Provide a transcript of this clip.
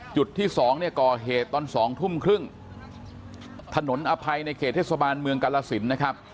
จุดที่สองเนี่ยก่อเหตุตอนสองทุ่มครึ่งถนนอภัยในเขตเทศบาลเมืองกาลสินนะครับ